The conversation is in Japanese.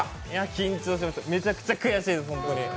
緊張しました、めちゃくちゃ悔しいです。